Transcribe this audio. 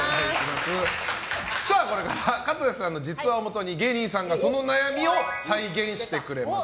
これからかたせさんの実話をもとに芸人さんがその悩みを再現してくれます。